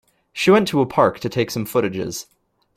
She went to a park to take some footages.